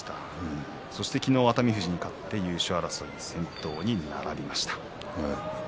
昨日、熱海富士に勝って優勝争い先頭に並びました。